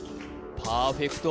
パーフェクト